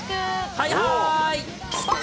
はいはーい！